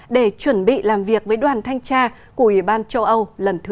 để chuẩn bị làm việc với đoàn thanh tra của ủy ban châu âu lần thứ năm